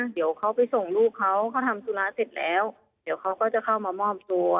เดี๋ยวเขาไปส่งลูกเขาเขาทำธุระเสร็จแล้วเดี๋ยวเขาก็จะเข้ามามอบตัว